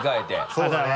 そうだね。